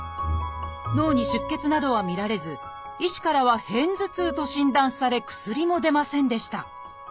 脳に出血などは見られず医師からは「片頭痛」と診断され薬も出ませんでした。